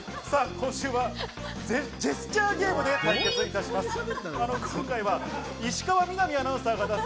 今週はジェスチャーゲームで対決します。